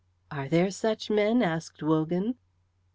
"Are there such men?" asked Wogan.